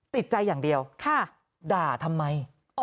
ติดใจอย่างเดียวด่าทำไม